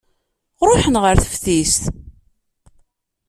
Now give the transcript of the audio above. Ṛuḥen ɣer teftist.